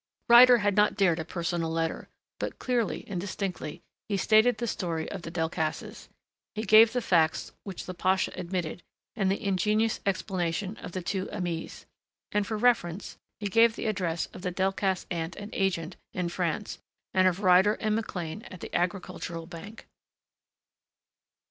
Ryder had not dared a personal letter. But clearly, and distinctly, he stated the story of the Delcassés. He gave the facts which the pasha admitted and the ingenious explanation of the two Aimées. And for reference he gave the address of the Delcassé aunt and agent in France and of Ryder and McLean at the Agricultural Bank.